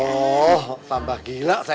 aduh tambah gila saya